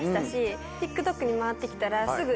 ＴｉｋＴｏｋに回って来たらすぐ。